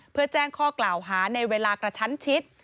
เพื่อแจ้งข้อกล่าวหาในเวลากระชั้นชิด